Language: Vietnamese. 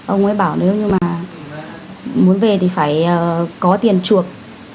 ông ấy bảo nếu như mà muốn về thì phải có tiền chuộc